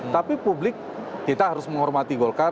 tapi publik kita harus menghormati golkar